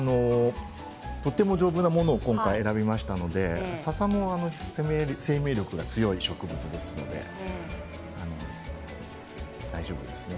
丈夫なものを選びましたので、ささも生命力が強い植物ですので大丈夫ですね。